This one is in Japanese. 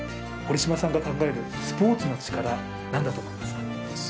堀島さんが考えるスポーツのチカラ、何だと思いますか。